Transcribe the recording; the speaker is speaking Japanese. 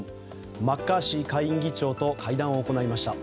マッカーシー下院議長と会談を行いました。